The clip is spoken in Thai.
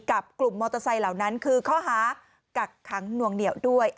กลุ่มมอเตอร์ไซค์เหล่านั้นคือข้อหากักขังหน่วงเหนียวด้วย